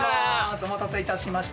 お待たせいたしました。